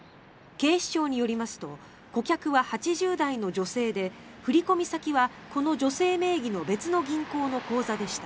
警視庁によりますと顧客は８０代の女性で振込先は、この女性名義の別の銀行の口座でした。